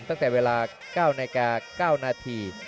ตั้งแต่เวลา๙นาที